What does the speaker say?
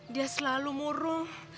dia selalu murung